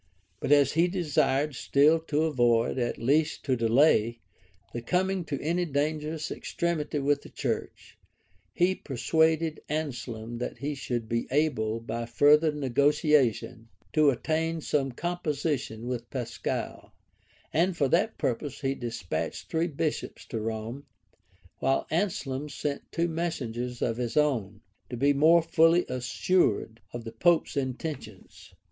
But as he desired still to avoid, at least to delay, the coming to any dangerous extremity with the church, he persuaded Anselm that he should be able, by further negotiation, to attain some composition with Pascal; and for that purpose he despatched three bishops to Rome, while Anselm sent two messengers of his own, to be more fully assured of the pope's intentions.